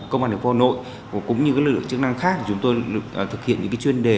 công an tp hà nội cũng như lực lượng chức năng khác thì chúng tôi thực hiện những chuyên đề